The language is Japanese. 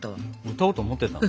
歌おうと思ってたの？